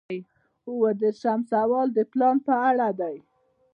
اووه دېرشم سوال د پلان په اړه دی.